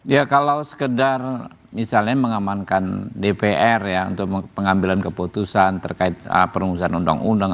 ya kalau sekedar misalnya mengamankan dpr ya untuk pengambilan keputusan terkait perumusan undang undang